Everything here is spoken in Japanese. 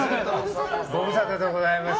ご無沙汰でございます。